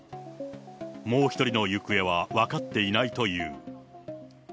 もう１人の行方は分かっていないという。